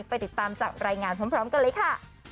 ติดตามจากรายงานพร้อมกันเลยค่ะ